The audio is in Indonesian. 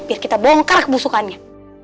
biar kita bongkar kebusukannya